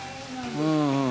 うん。